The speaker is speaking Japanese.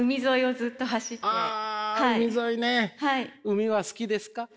海は好きですか？